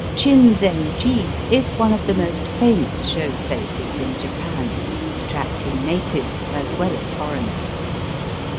Chinzenji is one of the most famous show places in Japan, attracting natives as well as foreigners.